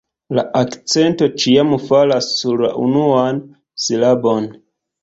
La akcento ĉiam falas sur la unuan silabon.